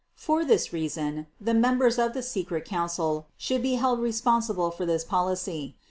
For this reason the members of the Secret Council should be held responsible for this policy.